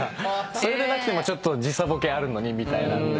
それでなくても時差ボケあるのにみたいなので。